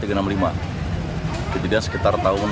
jadi dia sekitar tahun dua ribu dua puluh